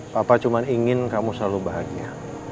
papa cuma ingin kamu selalu bahagia